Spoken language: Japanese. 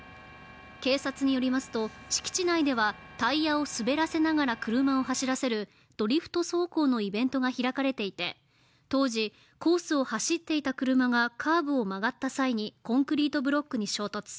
警察によりますと、敷地内ではタイヤを滑らせながら車を走らせるドリフト走行のイベントが開かれていて当時、コースを走っていた車がカーブを曲がった際にコンクリートブロックに衝突。